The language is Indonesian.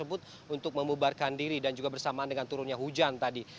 untuk memubarkan diri dan juga bersamaan dengan turunnya hujan tadi